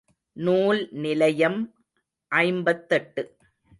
நூல் நிலையம் ஐம்பத்தெட்டு.